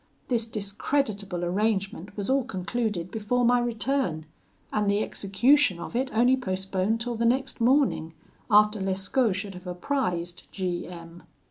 This discreditable arrangement was all concluded before my return, and the execution of it only postponed till the next morning, after Lescaut should have apprised G M